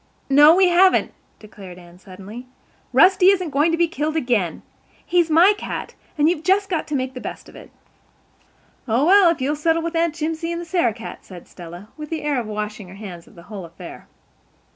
"No, we haven't," declared Anne suddenly. "Rusty isn't going to be killed again. He's my cat—and you've just got to make the best of it." "Oh, well, if you'll settle with Aunt Jimsie and the Sarah cat," said Stella, with the air of one washing her hands of the whole affair.